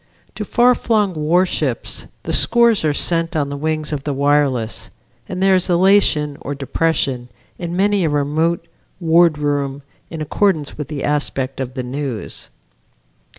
To far flung warships the scores are sent on the wings of the wireless and there is elation or depression in many a remote wardroom in accordance with the aspect of the news.